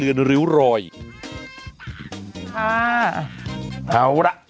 เอาล่ะ